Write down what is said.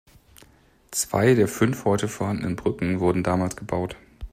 Zwei der fünf heute vorhandenen Brücken wurden damals gebaut.